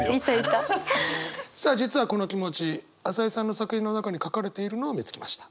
さあ実はこの気持ち朝井さんの作品の中に書かれているのを見つけました。